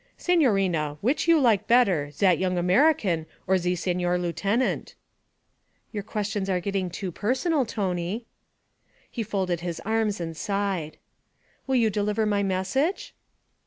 'Signorina, which you like better, zat yong American or ze Signor Lieutenant?' 'Your questions are getting too personal, Tony.' He folded his arms and sighed. 'Will you deliver my message?'